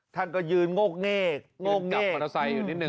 ท่านก็ยืนงกเนกงกเนกยืนกับมอเตอร์ไซค์อยู่นิดหนึ่ง